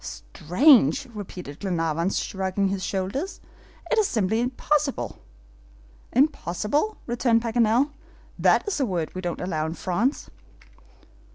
"Strange!" repeated Glenarvan, shrugging his shoulders; "it is simply impossible." "Impossible?" returned Paganel. "That is a word we don't allow in France."